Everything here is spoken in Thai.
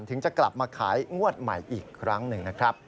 ถึงจะกลับมาขายงวดใหม่อีกครั้งหนึ่งนะครับ